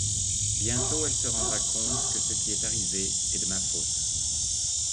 Bientôt elle se rendra compte que ce qui est arrivé est de ma faute.